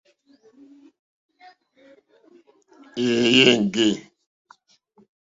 Èèyé éŋɡê.